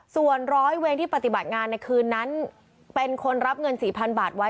ส่วนร้อยเวรที่ปฏิบัติงานในคืนนั้นเป็นคนรับเงิน๔๐๐๐บาทไว้